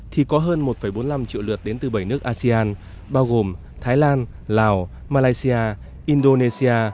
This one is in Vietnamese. thì có hơn một bốn mươi năm triệu lượt đến từ bảy nước asean bao gồm thái lan lào malaysia indonesia